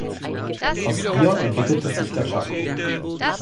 Aus ihr entwickelte sich der Tschako.